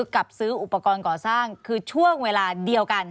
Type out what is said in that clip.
กับซื้ออุปกรณ์ก่อสร้างคือช่วงเวลาเดียวกัน